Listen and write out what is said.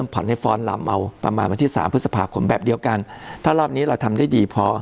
พฤษภาคมแบบเดียวกันถ้ารอบนี้เราทำได้ดีพอ